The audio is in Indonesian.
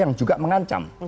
yang juga mengancam